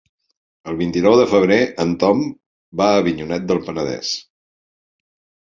El vint-i-nou de febrer en Tom va a Avinyonet del Penedès.